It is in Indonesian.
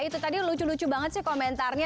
itu tadi lucu lucu banget sih komentarnya